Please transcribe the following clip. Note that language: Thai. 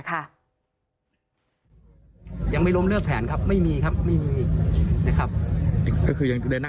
โอกาสที่จะค้นหาตรงเรือรอบรอบตัวเรือสุขของใครนะค่ะ